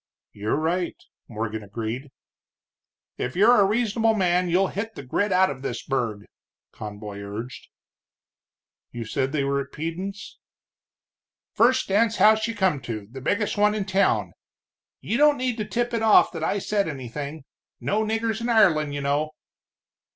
"You're right," Morgan agreed. "If you're a reasonable man, you'll hit the grit out of this burg," Conboy urged. "You said they were at Peden's?" "First dance house you come to, the biggest one in town. You don't need to tip it off that I said anything. No niggers in Ireland, you know."